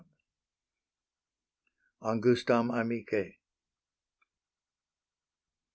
ANGUSTAM AMICE.